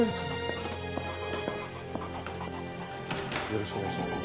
よろしくお願いします。